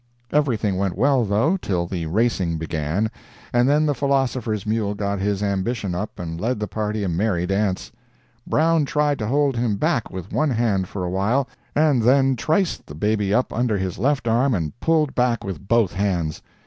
Everything went well, though, till the racing began, and then the philosopher's mule got his ambition up and led the party a merry dance. Brown tried to hold him back with one hand for a while, and then triced the baby up under his left arm, and pulled back with both hands.